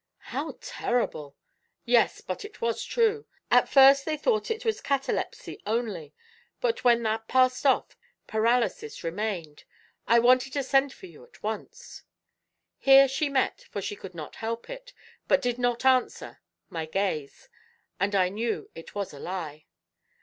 '' "How terrible!" "Yes, but it was true. At first they thought it was catalepsy only; but when that passed off, paralysis remained. I wanted to send for you at once." Here she met, for she could not help it, but did not answer, my gaze; and I knew it was a lie.